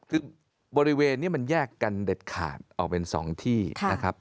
คือบริเวณนี้มันแยกกันเด็ดขาดออกเป็น๒ที่นะครับ